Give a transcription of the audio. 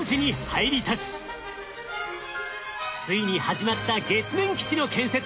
ついに始まった月面基地の建設。